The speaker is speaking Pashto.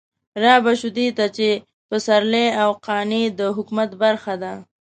رابه شو دې ته چې پسرلي او قانع د حکومت برخه ده.